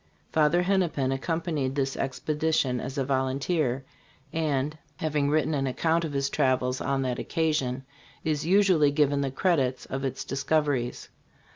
Father Hennepin accompanied this expedition as a volunteer, and [having written THK RELICS. 8l an account of his travels on thit occasion] is usually given the credit of its discoveries.